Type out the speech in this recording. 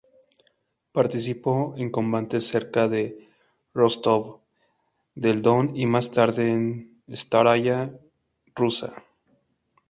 Participó en combates cerca de Rostov del Don y más tarde en Stáraya Rusa.